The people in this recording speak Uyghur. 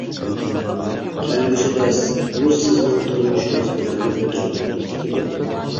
كەلگۈسىدە ، ئۇ سىزنىڭ تۇرمۇشىڭىز بىلەن بىر گەۋدە بولۇپ كېتىدۇ .